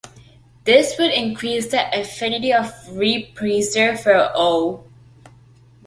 This would increase the affinity of repressor for O.